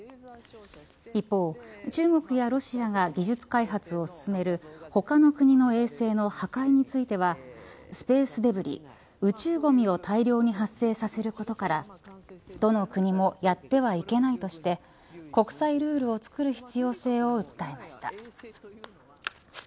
一方、中国やロシアが技術開発を進める他の国の衛星の破壊についてはスペースデブリ、宇宙ゴミを大量に発生させることからどの国もやってはいけないとして国際ルールをつくる必要性を訴えました。